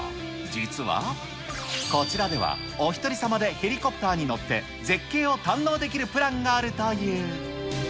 実は、こちらではおひとり様でヘリコプターに乗って絶景を堪能できるプランがあるという。